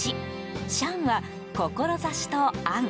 シャンは「志」と「案」。